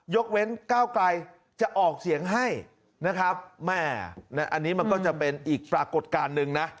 เว้นก้าวไกลจะออกเสียงให้นะครับแม่อันนี้มันก็จะเป็นอีกปรากฏการณ์หนึ่งนะ